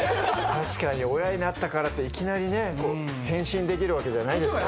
確かに親になったからっていきなりね変身できるわけじゃない。